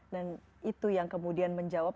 dan itu yang kemudian menjawab